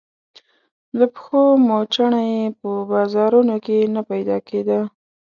د پښو موچڼه يې په بازارونو کې نه پيدا کېده.